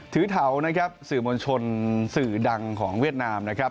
ถือเถาสื่อมณชนสื่อดังของเวียดนาม